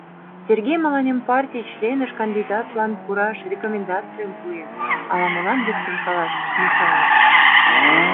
— Сергей мыланем партий членыш кандидатлан пураш рекомендацийым пуэн, — ала-молан луктын каласыш Микале.